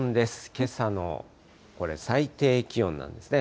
けさのこれ、最低気温なんですね。